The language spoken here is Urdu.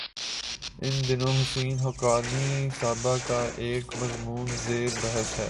ان دنوں حسین حقانی صاحب کا ایک مضمون زیر بحث ہے۔